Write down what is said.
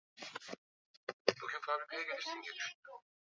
Hili ni kutokana na uchafuzi unaondelea katika Ziwa Victoria